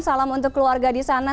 salam untuk keluarga di sana